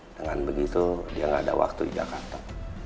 dengan begitu dia nggak ada waktu di jakarta